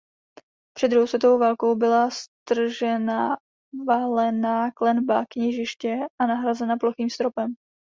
Před druhou světovou válkou byla stržena valená klenba kněžiště a nahrazena plochým stropem.